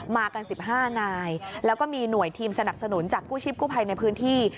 มากัน๑๕นายแล้วก็มีหน่วยทีมสนับสนุนจากกู้ชีพกู้ภัยในพื้นที่